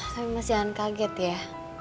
tapi mas jangan kaget ya